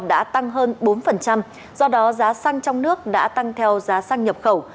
đã tăng hơn bốn do đó giá xăng trong nước đã tăng theo giá xăng nhập khẩu